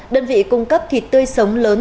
đơn vị cung cấp thịt tươi sống lớn